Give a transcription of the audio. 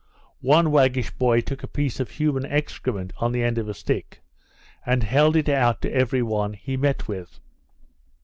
One waggish boy took a piece of human excrement on the end of a stick, and held it out to every one he met with.